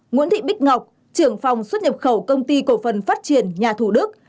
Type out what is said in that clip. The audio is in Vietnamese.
nguyễn thị bích ngọc trưởng phòng xuất nhập khẩu công ty cổ phần phát triển nhà thủ đức